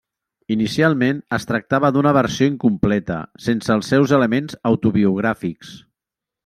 Inicialment es tractava d'una versió incompleta, sense els seus elements autobiogràfics.